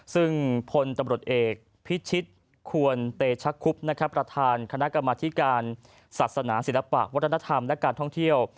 ซึ่งพลตำรวจเอกพิชิตควรเตชคุบนะครับประธานคณะกรรมธิการศาสนาศิลปะวัฒนธรรมและการท่องเที่ยว